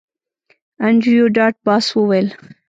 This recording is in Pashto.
انډریو ډاټ باس وویل